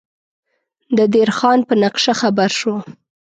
د دیر خان په نقشه خبر شو.